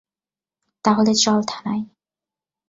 তাহলে চল থানায়।